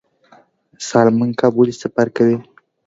سالمن کب ولې سفر کوي؟